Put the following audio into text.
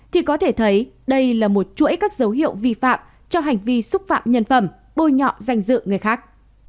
thì có thể thấy đây là một chuỗi các dấu hiệu vi phạm cho hành vi xúc phạm nhân phẩm bôi nhọ danh dự người khác